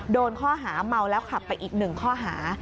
โดนข้อหาเมาแล้วขับไปอีก๑ข้อหา